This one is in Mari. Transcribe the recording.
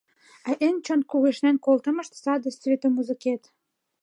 А эн чот кугешнен колтымышт — саде светомузыкет.